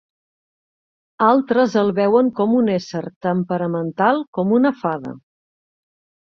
Altres el veuen com un ésser temperamental com una fada.